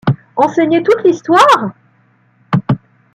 Enseigner toute l'histoire?